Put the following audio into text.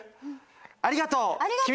ありがとう。